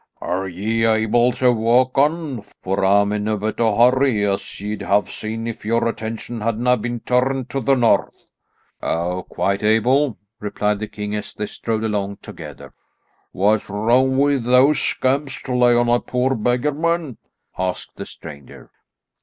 "Are ye able to walk on, for I'm in a bit o' a hurry, as ye'd have seen if your attention hadna been turned to the north." "Oh, quite able," replied the king as they strode along together. "What's wrong wi' those scamps to lay on a poor beggar man?" asked the stranger.